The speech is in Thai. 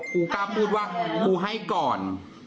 เขาก็พูดว่าเขาให้ก่อน